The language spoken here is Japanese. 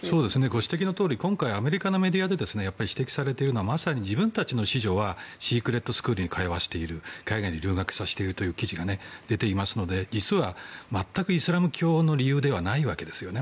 ご指摘のとおり今回、アメリカメディアで指摘されているのはまさに自分たちの子女はシークレットスクールに通わせている海外に留学させているという記事が出ていますので実は、全くイスラム教の理由ではないんですよね。